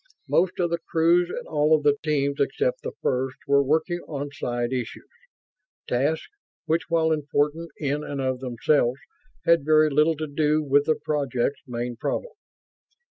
Most of the crews and all of the teams except the First were working on side issues tasks which, while important in and of themselves, had very little to do with the project's main problem.